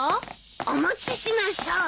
お持ちしましょう。